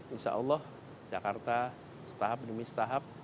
insya allah jakarta setahap demi setahap